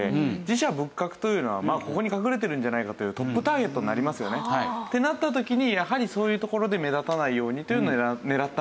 寺社仏閣というのはここに隠れてるんじゃないかというトップターゲットになりますよね。ってなった時にやはりそういうところで目立たないようにというのを狙ったのかなと思いました。